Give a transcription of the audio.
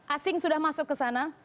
asing sudah masuk ke sana